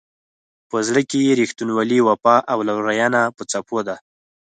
په زړه کې یې رښتینولي، وفا او لورینه په څپو ده.